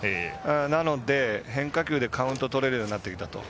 なので、変化球でカウント取れるようになってきた。